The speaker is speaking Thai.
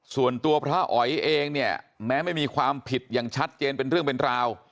ส่วนตัวพระอ๋อยเองเนี่ยแม้ไม่มีความผิดอย่างชัดเจนเป็นเรื่องเป็นราว